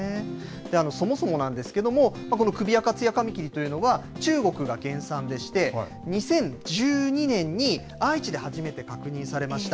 そもそもなんですけれども、このクビアカツヤカミキリというのは、中国が原産でして、２０１２年に愛知で初めて確認されました。